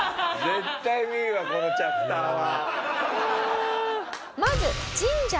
絶対見るわこのチャプターは。